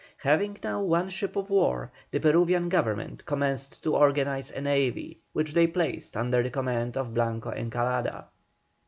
Having now one ship of war, the Peruvian Government commenced to organize a navy, which they placed under the command of Blanco Encalada.